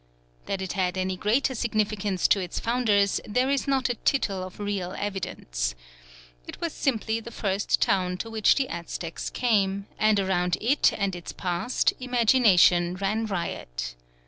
That it had any greater significance to its founders there is not a tittle of real evidence. It was simply the first town to which the Aztecs came, and around it and its past imagination ran riot.